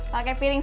pakai piring pak